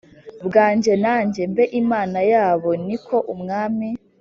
Bwanjye nanjye mbe imana yabo ni ko umwami